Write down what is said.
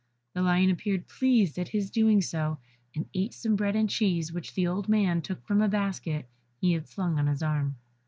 The lion appeared pleased at his doing so, and ate some bread and cheese which the old man took from a basket he had slung on his arm.